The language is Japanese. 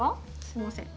すいません。